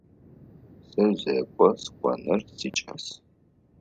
Сэ зекӏо сыкӏоныр сикӏас.